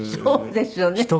そうですよね。